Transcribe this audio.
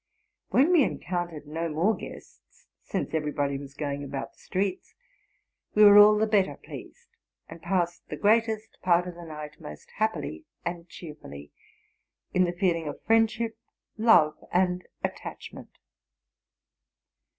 When we encountered no more guests, since everybody was going about the streets, we were all the better pleased, and passed the greatest part of the night most happily and cheerfully, in the feeling of friendship, love, and attachment.